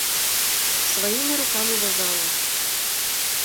Своими руками вязала.